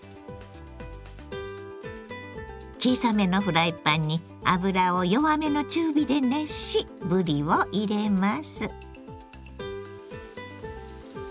小さめのフライパンに油を弱めの中火で熱しぶりを入れます。